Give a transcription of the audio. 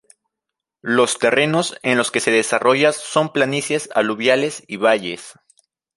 Los terrenos en los que se desarrolla son planicies aluviales y valles.